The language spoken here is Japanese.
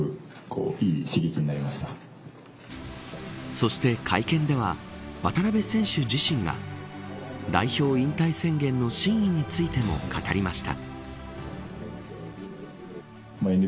そして、会見では渡邊選手自身が代表引退宣言の真意についても語りました。